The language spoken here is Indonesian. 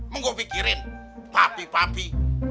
munggu pikirin papi papi